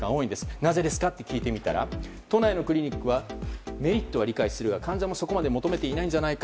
なぜですか？と聞いてみたら都内のクリニックはメリットは理解するが患者もそこまでは求めていないんじゃないか。